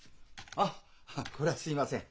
あっこれはすいません。